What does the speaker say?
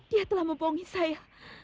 dia telah mempungi saya